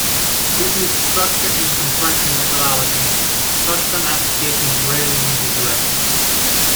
Due to its structure and compression methodology, custom applications rarely use it directly.